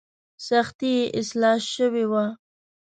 سختي یې اصلاح شوې وه.